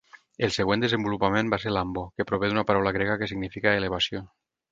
El següent desenvolupament va ser l""ambo", que prové d"una paraula grega que significa elevació.